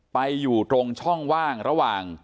ไปอยู่ตรงช่องว่างระหว่าง